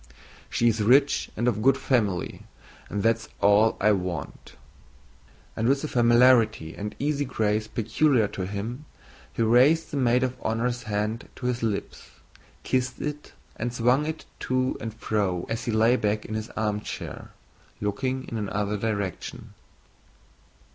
She is rich and of good family and that's all I want." And with the familiarity and easy grace peculiar to him, he raised the maid of honor's hand to his lips, kissed it, and swung it to and fro as he lay back in his armchair, looking in another direction.